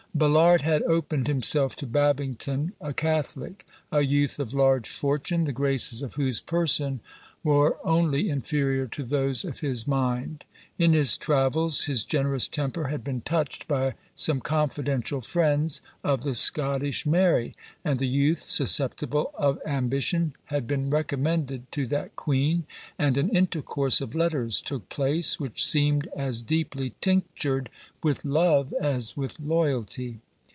Ballard had opened himself to Babington, a Catholic; a youth of large fortune, the graces of whose person were only inferior to those of his mind. In his travels, his generous temper had been touched by some confidential friends of the Scottish Mary; and the youth, susceptible of ambition, had been recommended to that queen; and an intercourse of letters took place, which seemed as deeply tinctured with love as with loyalty.